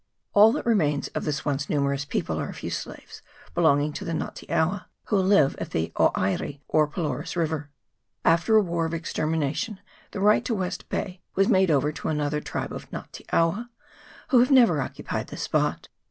All that remains of this once numerous people are a few slaves belonging to the Nga te awa, who live at the Oieri or Pylorus River. After a war of extermination the right to West Bay was made over to another tribe of Nga te awa, who have never occupied the spot.